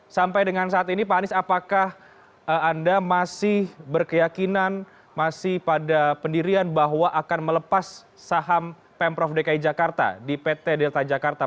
sampai dengan saat ini pak anies apakah anda masih berkeyakinan masih pada pendirian bahwa akan melepas saham pemprov dki jakarta di pt delta jakarta